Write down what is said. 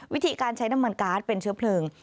วิธีการใช้น้ำมันการ์ดเป็นเชื้อเพลิง